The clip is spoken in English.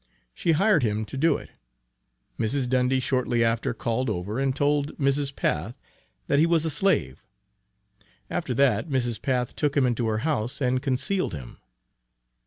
She hired him to do it. Mrs. Dundy shortly after called over and told Mrs. Path that he was a slave. After that Mrs. Path took him into her house and concealed him.